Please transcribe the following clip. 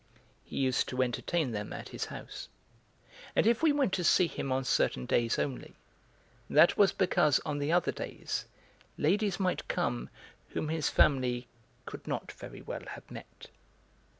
He used to entertain them at his house. And if we went to see him on certain days only, that was because on the other days ladies might come whom his family could not very well have met.